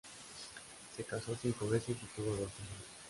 Se casó cinco veces y tuvo dos hijos.